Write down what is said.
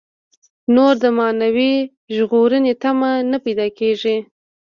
نور د معنوي ژغورنې تمه نه پاتې کېږي.